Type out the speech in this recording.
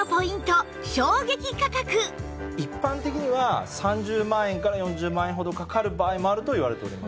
そして一般的には３０万円から４０万円ほどかかる場合もあるといわれております。